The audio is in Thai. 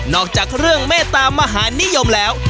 อกจากเรื่องเมตตามหานิยมแล้ว